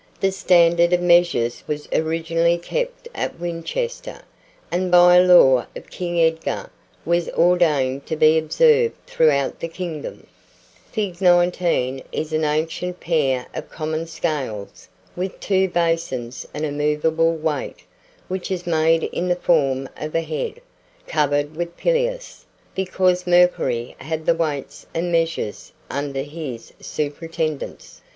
The standard of measures was originally kept at Winchester, and by a law of King Edgar was ordained to be observed throughout the kingdom. [Illustration: Fig. 19.] [Illustration: Fig. 20.] Fig. 19 is an ancient pair of common scales, with two basins and a movable weight, which is made in the form of a head, covered with the pileus, because Mercury had the weights and measures under his superintendence.